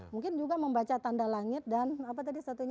mungkin juga membaca tanda langit dan apa tadi satunya